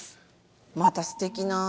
またすてきな。